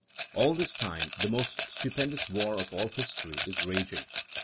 At this time the most stupendous war of aU history is raging.